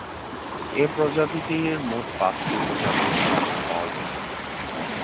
এ প্রজাতিটির মোট পাঁচটি উপপ্রজাতির সন্ধান পাওয়া গেছে।